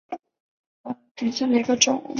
绿花茶藨子为虎耳草科茶藨子属下的一个种。